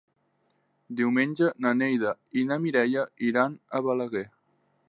Diumenge na Neida i na Mireia iran a Balaguer.